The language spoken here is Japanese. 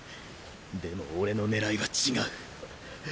でも俺のねらいは違う。